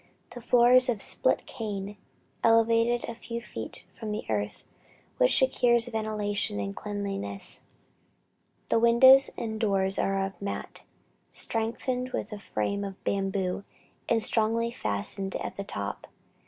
The floor is of split cane, elevated a few feet from the earth, which secures ventilation and cleanliness. The windows and doors are of mat, strengthened with a frame of bamboo, and strongly fastened at the top.